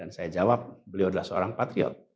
saya jawab beliau adalah seorang patriot